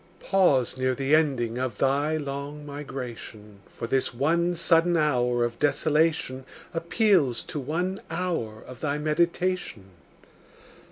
Pause near the ending of thy long migration; For this one sudden hour of desolation Appeals to one hour of thy meditation.